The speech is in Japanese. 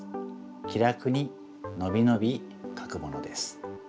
気楽にのびのびかくものです。